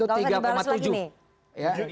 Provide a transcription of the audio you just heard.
singkat saja ya karena kita mau menanggapi